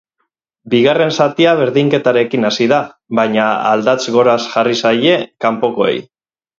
Bigaren zatia berdinketarekin hasi da, baina aldats gora jarri zaie kanpokoei.